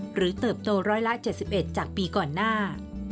เติบโตร้อยละ๗๑จากปีก่อนหน้า